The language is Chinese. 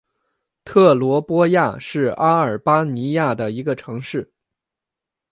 特罗波亚是阿尔巴尼亚的一个城市。